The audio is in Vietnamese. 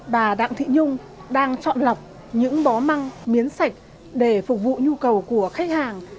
bà đặng thị nhung đang chọn lọc những bó măng miến sạch để phục vụ nhu cầu của khách hàng